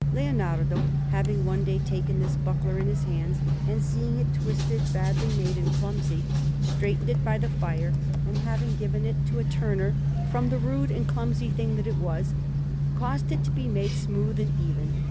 Leonardo, having one day taken this buckler in his hands, and seeing it twisted, badly made, and clumsy, straightened it by the fire, and, having given it to a turner, from the rude and clumsy thing that it was, caused it to be made smooth and even.